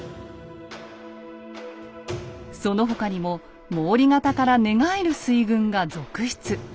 その他にも毛利方から寝返る水軍が続出。